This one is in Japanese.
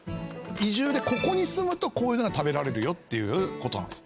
移住でここに住むとこういうのが食べられるよっていうことなんです。